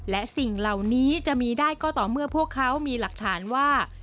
และสิ่งเหล่านี้จะมีได้ก็ต่อเมื่อพวกเขามีหลักฐานว่า